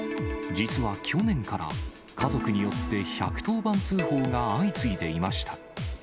実は去年から、家族によって１１０番通報が相次いでいました。